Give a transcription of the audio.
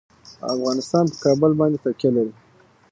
افغانستان په کابل باندې تکیه لري.